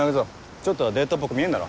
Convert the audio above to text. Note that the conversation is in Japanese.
ちょっとはデートっぽく見えんだろ。